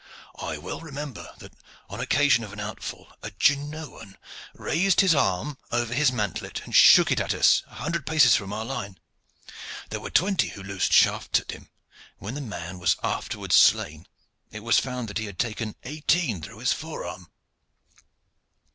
"I well remember that, on occasion of an outfall, a Genoan raised his arm over his mantlet, and shook it at us, a hundred paces from our line. There were twenty who loosed shafts at him, and when the man was afterwards slain it was found that he had taken eighteen through his forearm."